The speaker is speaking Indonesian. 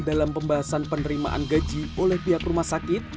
dalam pembahasan penerimaan gaji oleh pihak rumah sakit